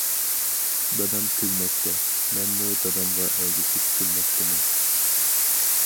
دادام كۈلمەكتە، مەنمۇ دادامغا ئەگىشىپ كۈلمەكتىمەن.